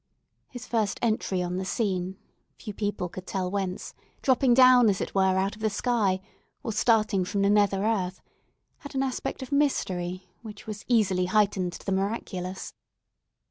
His first entry on the scene, few people could tell whence, dropping down as it were out of the sky or starting from the nether earth, had an aspect of mystery, which was easily heightened to the miraculous.